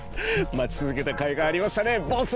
待ちつづけたかいがありましたねボス！